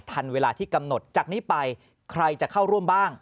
ทันเวลาที่กำหนดจากนี้ไปใครจะเข้าร่วมบ้าง